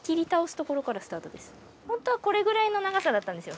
ホントはこれぐらいの長さだったんですよ